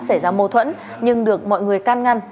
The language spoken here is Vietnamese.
xảy ra mâu thuẫn nhưng được mọi người can ngăn